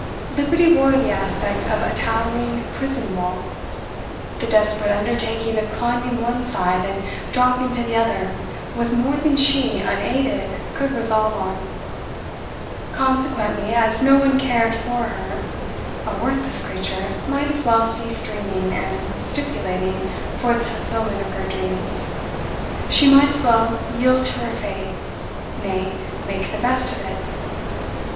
Liberty wore the aspect of a towering prison wall; the desperate undertaking of climbing one side and dropping to the other was more than she, unaided, could resolve on; consequently, as no one cared for her, a worthless creature might as well cease dreaming and stipulating for the fulfilment of her dreams; she might as well yield to her fate; nay, make the best of it.